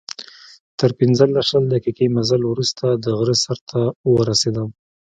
تر پنځلس، شل دقیقې مزل وروسته د غره سر ته ورسېدم.